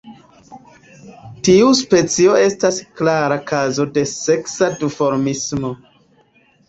Tiu specio estas klara kazo de seksa duformismo.